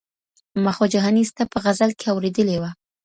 ما خو جهاني ستا په غزل کي اورېدلي وه